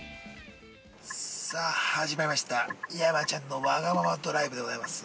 ◆さあ、始まりました山ちゃんのわがままドライブでございます。